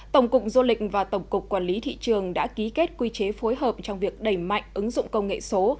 tổng cục du lịch và tổng cục quản lý thị trường đã ký kết quy chế phối hợp trong việc đẩy mạnh ứng dụng công nghệ số